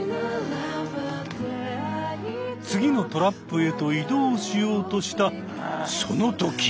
次のトラップへと移動しようとしたそのとき！